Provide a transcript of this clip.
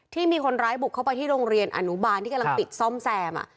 ที่มีคนร้ายบุกเข้าไปที่โรงเรียนอนุบาลที่กำลังปิดซ่อมแซม